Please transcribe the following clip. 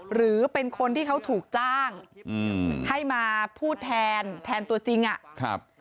หรือเป็นคนที่เขาถูกจ้างอืมให้มาพูดแทนแทนตัวจริงอ่ะครับ